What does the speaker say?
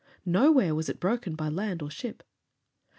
Nowhere was it broken by land or ship.